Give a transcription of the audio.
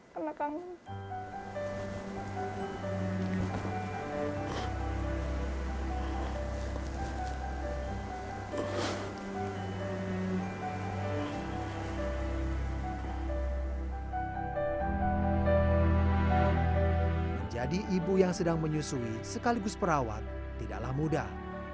karena kangen menjadi ibu yang sedang menyusui sekaligus perawat tidaklah mudah